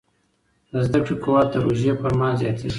د زده کړې قوت د روژې پر مهال زیاتېږي.